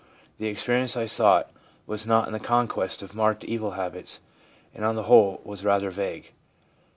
The experience I sought was not in the conquest of marked evil habits, and on the whole was rather vague.